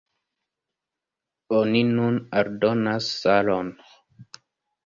Oni nun aldonas salon.